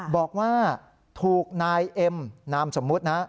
บอกว่าถูกนายเอ็มนามสมมุตินะ